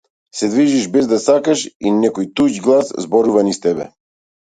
Се движиш без да сакаш и некој туѓ глас зборува низ тебе.